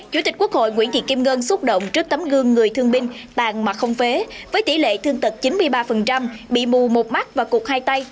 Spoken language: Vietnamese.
chủ tịch quốc hội nguyễn thị kim ngân xúc động trước tấm gương người thương binh tàn mặt không phế với tỷ lệ thương tật chín mươi ba bị mù một mắt và cụt hai tay